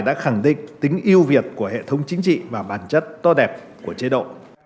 đã khẳng định tính yêu việt của hệ thống chính trị và bản chất to đẹp của chế độ